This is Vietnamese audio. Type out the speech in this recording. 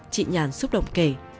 chị nhàn xúc động kể